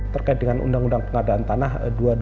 terkait dengan undang undang pengadaan tanah